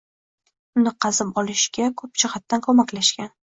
Uni qazib olishga koʻp jihatdan koʻmaklashgan.